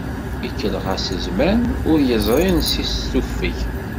Ikellex-as zzman, ur yeẓri ansi s-tufeg.